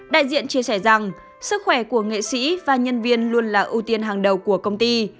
đại diện chia sẻ rằng sức khỏe của nghệ sĩ và nhân viên luôn là ưu tiên hàng đầu của công ty